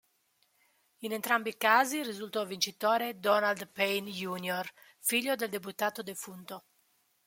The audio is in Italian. In entrambi i casi risultò vincitore Donald Payne, Jr., figlio del deputato defunto.